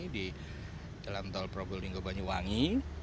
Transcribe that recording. di jalan tol probolinggo banyuwangi